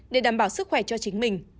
để đảm bảo sức khỏe cho chính mình